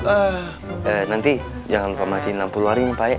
eee nanti jangan lupa matiin lampu luarin pak ya